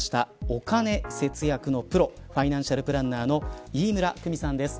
お金節約のプロファイナンシャルプランナーの飯村久美さんです。